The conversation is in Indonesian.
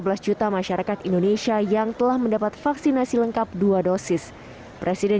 dua belas juta masyarakat indonesia yang telah mendapat vaksinasi lengkap dua dosis presiden